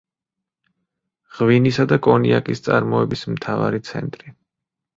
ღვინისა და კონიაკის წარმოების მთავარი ცენტრი.